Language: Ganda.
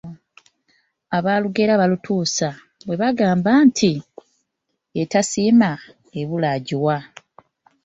Abaalugera baalutuusa bwe baagamba nti, entasiima ebula agiwa.